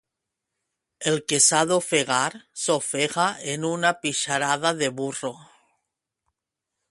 El que s'ha d'ofegar, s'ofega en una pixarada de burro.